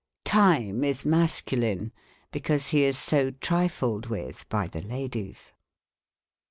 Time is mascu line, because he is so trifled with by the ladies.